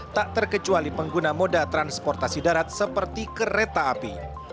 tak terkecuali pengguna moda transportasi darat seperti kereta api